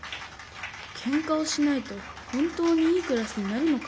ケンカをしないと本当にいいクラスになるのかなぁ？